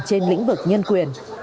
trên lĩnh vực nhân quyền